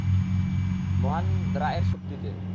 মহান রা-এর শক্তিতে।